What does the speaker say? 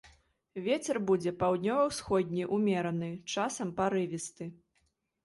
Вецер будзе паўднёва-ўсходні ўмераны, часам парывісты.